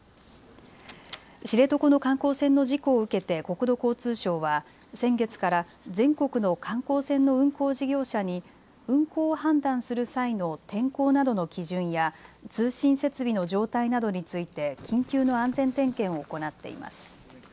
知床の観光船の事故を受けて国土交通省は先月から全国の観光船の運航事業者に運航を判断する際の天候などの基準や通信設備の状態などについて緊急の安全点検を行っています。